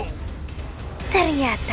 aku tidak sudik memberitahumu